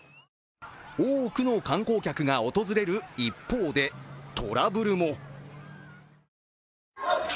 多くの観光客が訪れる一方でトラブルも。